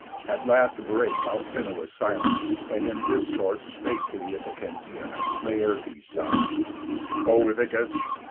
At last brake Alcinous silence, and in this sort spake To th' Ithacensian, Laertes' son: "O Ithacus!